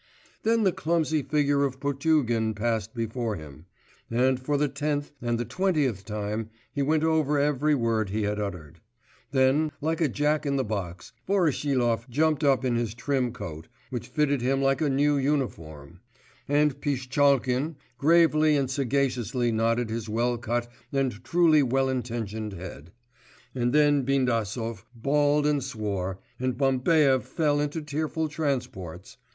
Then the clumsy figure of Potugin passed before him; and for the tenth, and the twentieth time he went over every word he had uttered; then, like a jack in the box, Voroshilov jumped up in his trim coat, which fitted him like a new uniform; and Pishtchalkin gravely and sagaciously nodded his well cut and truly well intentioned head; and then Bindasov bawled and swore, and Bambaev fell into tearful transports....